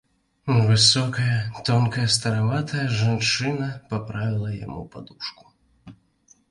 Высокая, тонкая стараватая жанчына паправіла яму падушку.